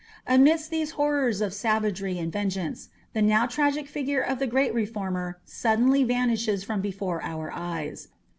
Amidst these horrors of savagery and vengeance, the now tragic figure of the great reformer suddenly vanishes from before our eyes.